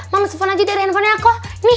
mams telepon aja dari handphonenya aku